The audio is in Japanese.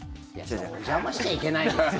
お邪魔しちゃいけないでしょ。